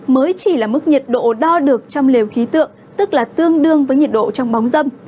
mới chỉ là mức nhiệt độ đo được trong lều khí tượng tức là tương đương với nhiệt độ trong bóng dâm